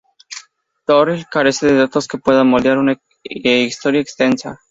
Toril carece de datos que puedan moldear una historia extensa.